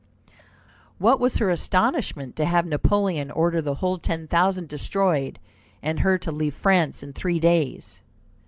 What was her astonishment to have Napoleon order the whole ten thousand destroyed, and her to leave France in three days!